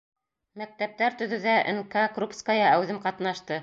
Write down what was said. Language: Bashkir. Мәктәптәр төҙөүҙә Н.К.Крупская әүҙем ҡатнашты.